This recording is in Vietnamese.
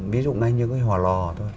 ví dụ ngay như cái hòa lò thôi